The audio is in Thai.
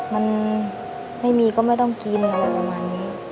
มันไม่มีก็ไม่ต้องกินอะไรประมาณนี้